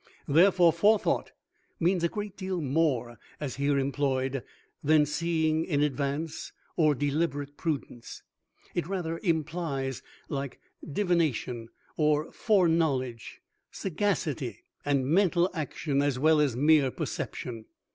Therefore Forethought means a great deal more, as here employed, than seeing in advance, or deliberate prudence it rather implies, like divination or foreknowledge, sagacity and mental action as well as mere perception.